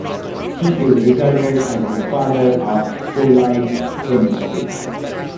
He is regarded as the father of colloid chemistry.